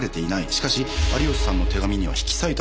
しかし有吉さんの手紙には引き裂いたと書かれていた。